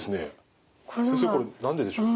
先生これ何ででしょう？